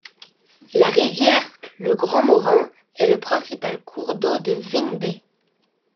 La rivière le Grand Morin est le principal cours d'eau de Vindey.